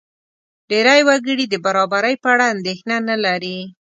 ډېری وګړي د برابرۍ په اړه اندېښنه نه لري.